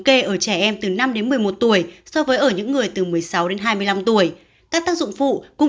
kê ở trẻ em từ năm đến một mươi một tuổi so với ở những người từ một mươi sáu đến hai mươi năm tuổi các tác dụng phụ cũng